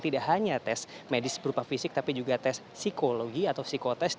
tidak hanya tes medis berupa fisik tapi juga tes psikologi atau psikotest